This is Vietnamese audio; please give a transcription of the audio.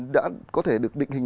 đã có thể được định hình